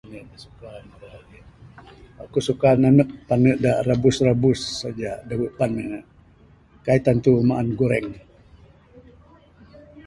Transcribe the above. Aku suka nanek pane da rabus rabus aja dawe pane. Kaik tantu maan da gureng gureng.